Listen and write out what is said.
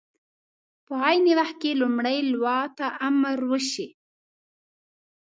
په عین وخت کې لومړۍ لواء ته امر وشي.